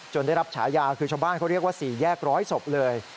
ได้รับฉายาคือชาวบ้านเขาเรียกว่า๔แยกร้อยศพเลย